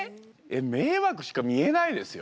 迷惑しか見えないですよ。